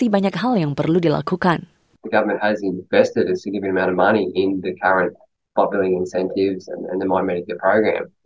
ingin melakukan yang terbaik yang bisa